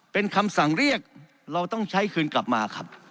เป็นคำสั่งเรียกเราต้องใช้คืนกลับมาครับ